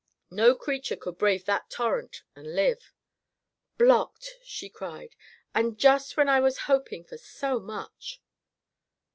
No creature could brave that torrent, and live. "Blocked!" she cried. "And just when I was hoping for so much!"